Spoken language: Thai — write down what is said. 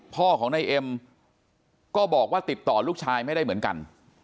พ่อของนายเอ็มก็บอกว่าติดต่อลูกชายไม่ได้เหมือนกัน